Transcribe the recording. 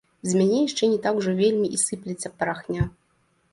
З мяне яшчэ не так ужо вельмі і сыплецца парахня.